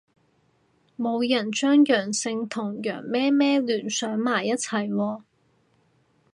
冇人將陽性同羊咩咩聯想埋一齊喎